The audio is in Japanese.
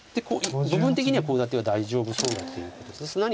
部分的にはコウ立ては大丈夫そうだということです。